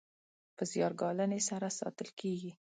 په زیار ګالنې سره ساتل کیږي.